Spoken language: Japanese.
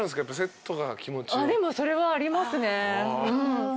でもそれはありますね。